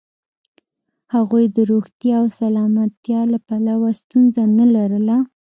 هغوی د روغتیا او سلامتیا له پلوه ستونزه نه لرله.